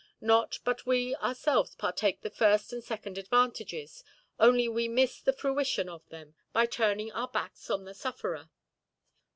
Not but what we ourselves partake the first and second advantages, only we miss the fruition of them, by turning our backs on the sufferer.